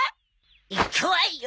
いくわよ！